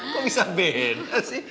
kok bisa benar sih